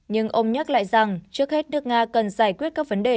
nhưng ông nhắc lại rằng trước hết nước nga cần giải quyết các vấn đề